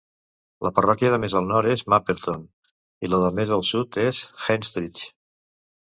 La parròquia de més al nord és Mapperton i la de més al sud és Henstridge.